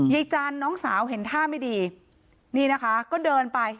ยายจันทร์น้องสาวเห็นท่าไม่ดีนี่นะคะก็เดินไป